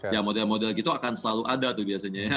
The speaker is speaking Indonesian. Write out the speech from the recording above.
ya model model gitu akan selalu ada tuh biasanya ya